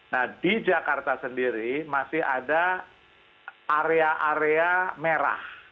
nah di jakarta sendiri masih ada area area merah